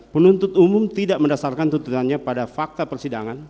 penuntut umum tidak mendasarkan tuntutannya pada fakta persidangan